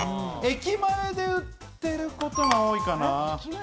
駅前で売ってることが多いかな。